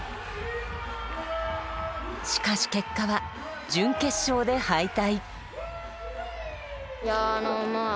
しかし結果は準決勝で敗退。